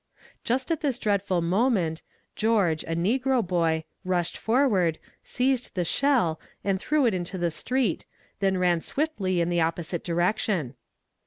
"Just at this dreadful moment, George, a negro boy, rushed forward, seized the shell, and threw it into the street, then ran swiftly in the opposite direction.